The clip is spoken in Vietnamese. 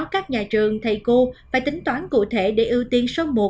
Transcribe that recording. các nhà trường thầy cô phải tính toán cụ thể để ưu tiên số một